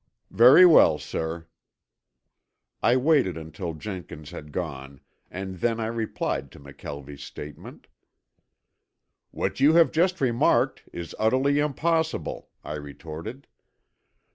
"Very well, sir." I waited until Jenkins had gone and then I replied to McKelvie's statement. "What you have just remarked is utterly impossible," I retorted.